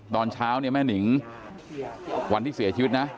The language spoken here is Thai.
ตอนเช้าเนี่ยแม่นิงวันที่เสียชีวิตนะ